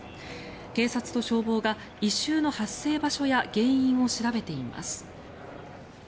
警察と消防が異臭の発生場所や原因を調べています。